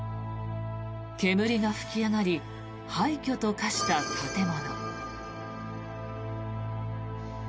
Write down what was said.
煙が吹き上がり廃墟と化した建物。